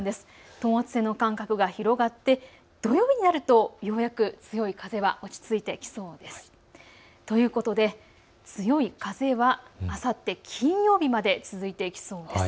等圧線の間隔が広がって土曜日になるとようやく強い風が落ち着いてきそうです。ということで強い風はあさって金曜日まで続いていきそうです。